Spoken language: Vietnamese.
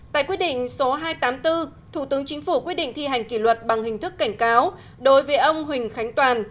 tại quyết định số hai trăm tám mươi bốn thủ tướng chính phủ quyết định thi hành kỷ luật bằng hình thức cảnh cáo đối với ông huỳnh khánh toàn